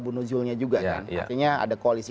bunuzulnya juga kan artinya ada koalisi